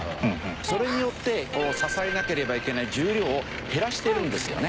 それによって支えなければいけない重量を減らしてるんですよね。